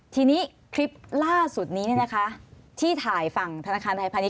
ทีนี้คลิปล่าสุดนี้ที่ถ่ายฝั่งธนาคารไทยพาณิช